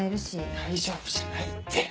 大丈夫じゃないって。